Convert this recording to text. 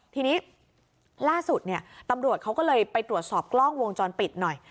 ทีนี้ล่าสุดเนี่ยตำรวจเขาก็เลยไปตรวจสอบกล้องวงจรปิดหน่อย